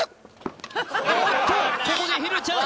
おっとここでひるちゃん